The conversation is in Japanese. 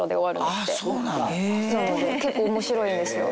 結構面白いんですよ